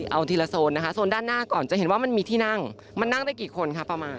เอาทีละโซนนะคะโซนด้านหน้าก่อนจะเห็นว่ามันมีที่นั่งมันนั่งได้กี่คนคะประมาณ